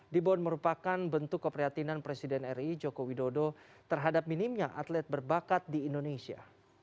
dibon merupakan bentuk keprihatinan presiden ri joko widodo terhadap minimnya atlet berbakat di indonesia